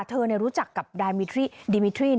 เธอเนี่ยรู้จักกับดิมิทรี่